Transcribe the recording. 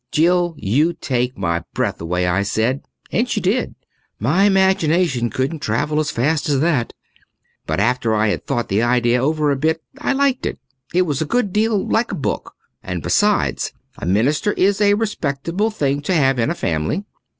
"Jill, you take my breath away," I said, and she did. My imagination couldn't travel as fast as that. But after I had thought the idea over a bit I liked it. It was a good deal like a book; and, besides, a minister is a respectable thing to have in a family.